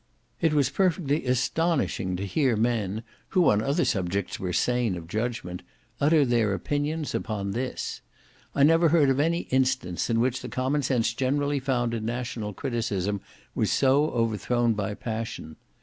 It was perfectly astonishing to hear men, who, on other subjects, were sane of judgment, utter their opinions upon this. I never heard of any instance in which the common sense generally found in national criticism was so overthrown by passion.